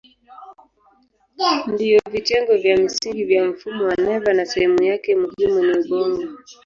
Ndiyo vitengo vya msingi vya mfumo wa neva na sehemu yake muhimu ni ubongo.